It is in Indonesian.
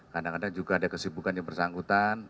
kadang kadang juga ada kesibukan yang bersangkutan